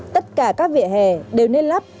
tất cả các vỉa hè đều nên lắp